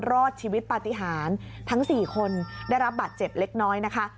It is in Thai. รอดชีวิตปฏิหารทั้ง๔คนได้รับบาดเจ็บเล็กน้อยนะคะ